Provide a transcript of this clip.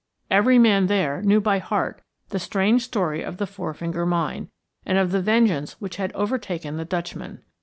Every man there knew by heart the strange story of the Four Finger Mine, and of the vengeance which had overtaken the Dutchman.